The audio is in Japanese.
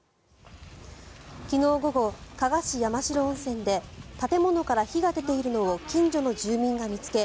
昨日午後、加賀市山代温泉で建物から火が出ているのを近所の住民が見つけ